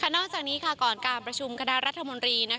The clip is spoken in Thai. นอกจากนี้ก่อนการประชุมคณะรัฐมนตรี